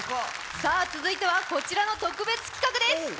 続いてはこちらの特別企画です。